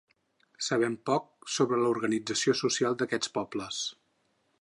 Sabem poc sobre l'organització social d'aquests pobles.